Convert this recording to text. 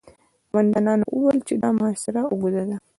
قوماندانانو وويل چې دا محاصره اوږده ده.